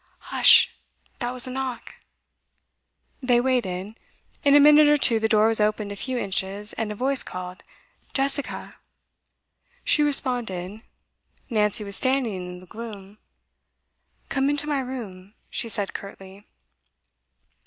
'Hush! That was a knock.' They waited. In a minute or two the door was opened a few inches, and a voice called 'Jessica!' She responded. Nancy was standing in the gloom. 'Come into my room,' she said curtly.